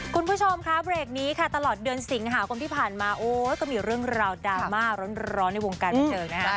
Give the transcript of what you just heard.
คุณผู้ชมค่ะเบรกนี้ค่ะตลอดเดือนสิงหาคมที่ผ่านมาโอ้ยก็มีเรื่องราวดราม่าร้อนในวงการบันเทิงนะคะ